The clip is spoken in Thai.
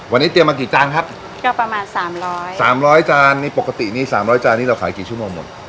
วันนี้เตรียมมากี่จานครับก็ประมาณ๓๐๐จาน๓๐๐จานนี่ปกตินี่๓๐๐จานนี่เราขายกี่ชั่วโมงหมด